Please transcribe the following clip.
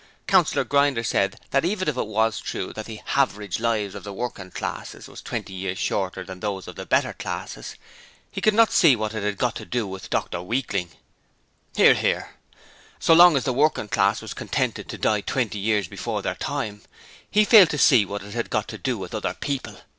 Councillor Grinder said that even if it was true that the haverage lives of the working classes was twenty years shorter than those of the better classes, he could not see what it had got to do with Dr Weakling. (Hear, hear.) So long as the working class was contented to die twenty years before their time, he failed to see what it had got to do with other people.